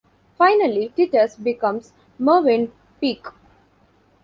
Finally, Titus becomes Mervyn Peake.